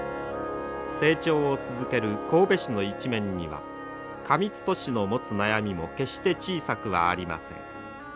成長を続ける神戸市の一面には過密都市の持つ悩みも決して小さくはありません。